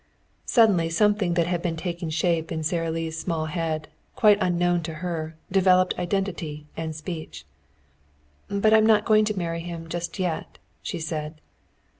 Suddenly something that had been taking shape in Sara Lee's small head, quite unknown to her, developed identity and speech. "But I'm not going to marry him just yet," she said.